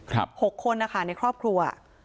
ครับครับ๖คนอ่ะค่ะในครอบครัว